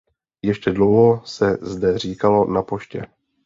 Ještě dlouho se zde říkalo „Na Poště“.